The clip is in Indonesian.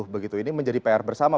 begitu ini menjadi pr bersama